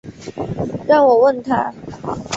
让我问他